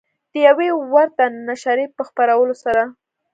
د یوې ورته نشریې په خپرولو سره